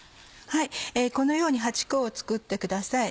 このように８個を作ってください。